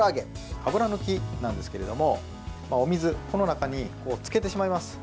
油抜きですがお水の中につけてしまいます。